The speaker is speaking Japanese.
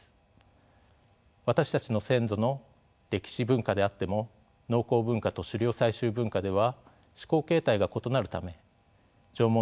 私たちの先祖の歴史文化であっても農耕文化と狩猟採集文化では思考形態が異なるため縄文人が残したものをすぐに理解するのは難しいのです。